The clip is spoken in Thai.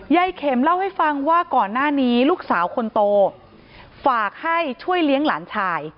เข็มเล่าให้ฟังว่าก่อนหน้านี้ลูกสาวคนโตฝากให้ช่วยเลี้ยงหลานชาย